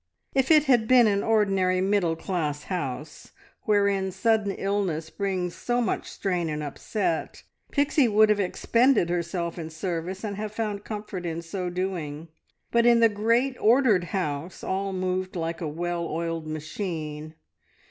If it had been an ordinary, middle class house, wherein sudden illness brings so much strain and upset, Pixie would have expended herself in service, and have found comfort in so doing, but in the great ordered house all moved like a well oiled machine.